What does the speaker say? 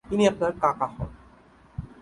ইনি আপনার কাকা হন।